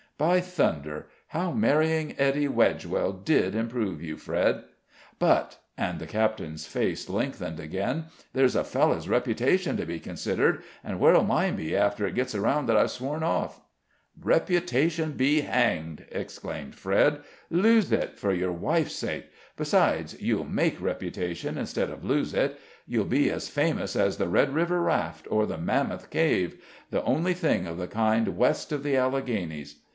By thunder! how marrying Ettie Wedgewell did improve you, Fred! But," and the captain's face lengthened again, "there's a fellow's reputation to be considered, and where'll mine be after it gets around that I've sworn off?" "Reputation be hanged!" exclaimed Fred. "Lose it, for your wife's sake. Besides, you'll make reputation instead of lose it: you'll be as famous as the Red River Raft, or the Mammoth Cave the only thing of the kind west of the Alleghanies.